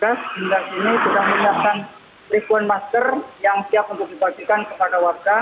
kita terjadi hujan abu yang menimbulkan hujan asap hitam di kawasan gunung hpbd